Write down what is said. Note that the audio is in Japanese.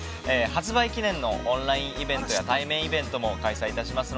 発売記念のオンラインイベントや対面イベントも開催します。